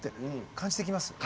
感じてきます。